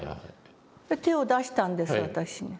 で手を出したんです私。